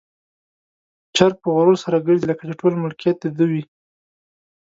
چرګ په غرور سره ګرځي، لکه چې ټول ملکيت د ده وي.